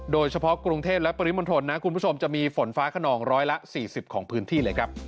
โดยเฉพาะกรุงเทพและปริมณฑลจะมีฝนฟ้าขนองร้อยละ๔๐ของพื้นที่